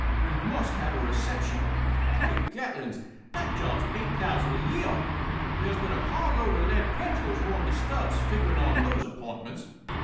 We must have a reception. Great Gatlings! that job's eight thousand a year! There's been a car load of lead pencils worn to stubs figuring on those appointments.